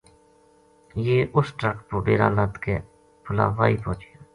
یہ اس ٹرک پو ڈیرا لد کے پھلا وائی پوہچیا